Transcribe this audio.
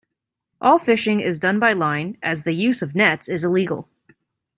All fishing is done by line as the use of nets is illegal.